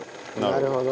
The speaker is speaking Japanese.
なるほど。